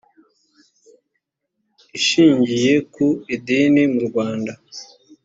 ishingiye ku idini mu rwanda